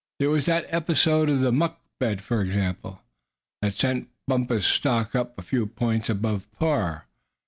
There was that episode of the muck bed for example that sent Bumpus' stock up a few points above par.